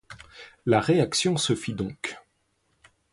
La réaction se fit donc.